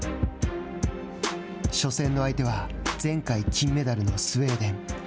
初戦の相手は前回金メダルのスウェーデン。